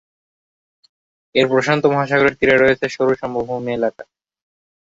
এর প্রশান্ত মহাসাগরের তীরে রয়েছে সরু সমভূমি এলাকা।